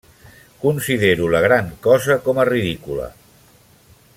Considero la gran cosa com a ridícula.